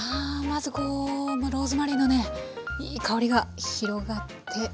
まずこうローズマリーのねいい香りが広がって。